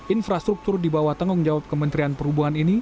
infrastruktur di bawah tanggung jawab kementerian perhubungan ini